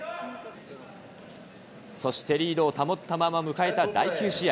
そしてリードを保ったまま迎えた第９試合。